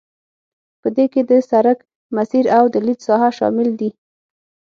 په دې کې د سرک مسیر او د لید ساحه شامل دي